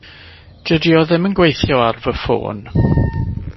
Dydi o ddim yn gweithio ar fy ffôn.